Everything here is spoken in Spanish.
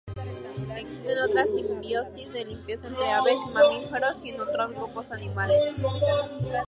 Existen otras simbiosis de limpieza entre aves y mamíferos y en otros grupos animales.